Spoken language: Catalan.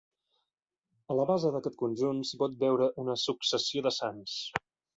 A la base d'aquest conjunt, s'hi pot veure una successió de sants.